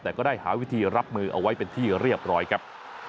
แต่ก็ได้หาวิธีรับมือเอาไว้เป็นที่เรียบร้อยครับ